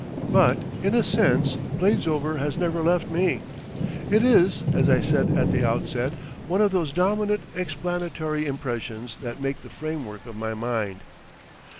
But in a sense Bladesover has never left me; it is, as I said at the outset, one of those dominant explanatory impressions that make the framework of my mind.